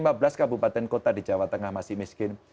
lima belas kabupaten kota di jawa tengah masih miskin